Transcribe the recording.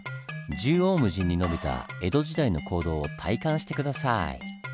縦横無尽に延びた江戸時代の坑道を体感して下さい。